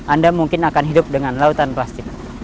anda mungkin akan hidup dengan lautan plastik